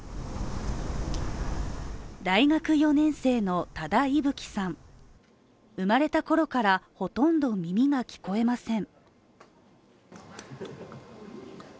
大学４年生の多田伊吹さん、生まれたころからほとんど耳が聞こえません。